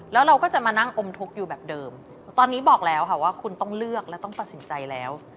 แล้วเราก็จะมานั่งอมทุกข์อยู่แบบเดิมตอนนี้บอกแล้วค่ะว่าคุณต้องเลือกและต้องตัดสินใจแล้ว